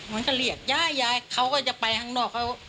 มันก็เรียกยายยายเขาก็จะไปข้างนอกเขา